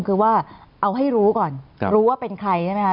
คือว่าเอาให้รู้ก่อนรู้ว่าเป็นใครนะครับ